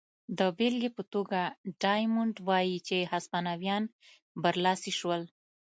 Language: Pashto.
د بېلګې په توګه ډایمونډ وايي چې هسپانویان برلاسي شول.